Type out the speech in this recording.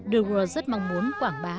de waal rất mong muốn quảng bá